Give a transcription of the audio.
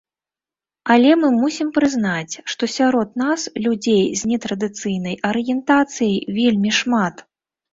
Але мы мусім прызнаць, што сярод нас людзей з нетрадыцыйнай арыентацыяй вельмі шмат.